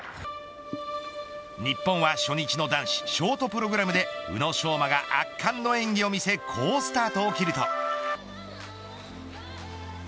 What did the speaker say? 日本は初日の男子ショートプログラムで宇野昌磨が圧巻の演技を見せ好スタートを切ると。